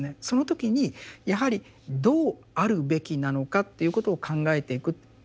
その時にやはりどう「ある」べきなのかということを考えていく。